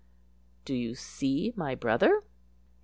(Do you see my brother?)